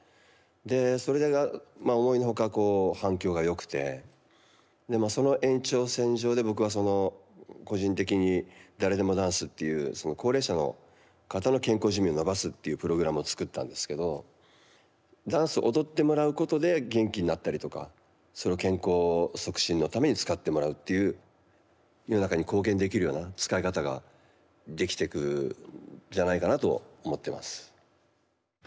でそれが思いの外反響がよくてその延長線上で僕は個人的に「ダレデモダンス」っていう高齢者の方の健康寿命を延ばすっていうプログラムをつくったんですけどダンス踊ってもらうことで元気になったりとかそれを健康促進のために使ってもらうっていう世の中に貢献できるような使い方ができてくんじゃないかなと思ってます。